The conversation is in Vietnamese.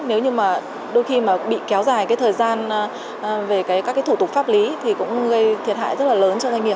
nếu như mà đôi khi mà bị kéo dài cái thời gian về các cái thủ tục pháp lý thì cũng gây thiệt hại rất là lớn cho doanh nghiệp